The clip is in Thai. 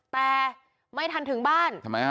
แต่ไม่ทันถึงบ้านทำไมค่ะ